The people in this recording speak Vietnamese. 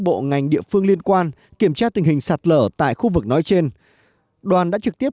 bộ ngành địa phương liên quan kiểm tra tình hình sạt lở tại khu vực nói trên đoàn đã trực tiếp